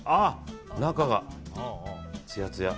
中がつやつや。